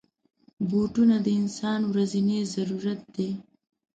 بوټونه د انسان ورځنی ضرورت دی.